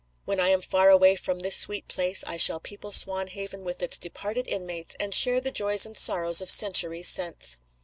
When I am far away from this sweet place I shall people Swanhaven with its departed inmates, and share the joys and sorrows of centuries since."